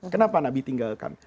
kenapa nabi tinggalkan